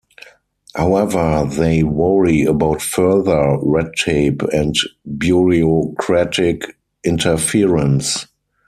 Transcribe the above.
However, they worry about further red tape and bureaucratic interference.